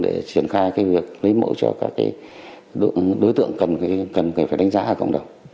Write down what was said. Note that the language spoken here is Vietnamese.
để triển khai việc lấy mẫu cho các đối tượng cần phải đánh giá ở cộng đồng